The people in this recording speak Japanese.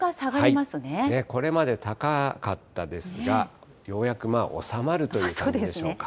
これまで高かったですが、ようやくまあ収まるという感じでしょうか。